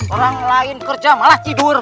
orang lain kerja malah tidur